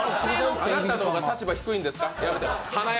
あなたの方が立場低いんですか？